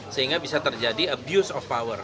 sehingga bisa terjadi abuse of power